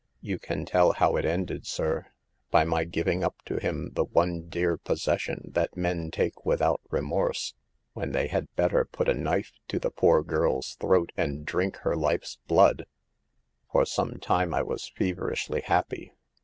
"< You can tell how it ended, sir ; by my giving up to him the one dear possession that men take without remorse, when they had THE PERILS OP POVERTY. 151 better put a knife to the poor girl's throat and drink her life's blood. " c For some time I was feverishly happy.